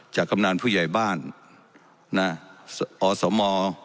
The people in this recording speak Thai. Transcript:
จากคำนาญผู้ใหญ่บ้านอสม